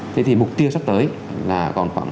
thế thì mục tiêu sắp tới là còn khoảng